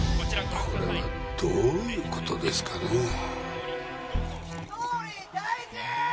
これはどういうことですかね総理退陣！